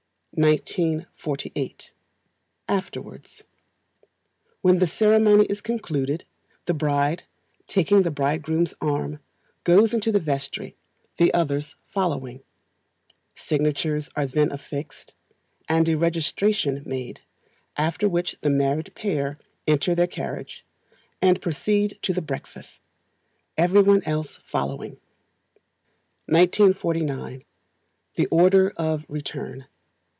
1948. Afterwards. When the Ceremony is concluded, the bride, taking the bridegroom's arm, goes into the vestry, the others following; signatures are then affixed, and a registration made, after which the married pair enter their carriage, and proceed to the breakfast, everyone else following. 1949. The Order of Return.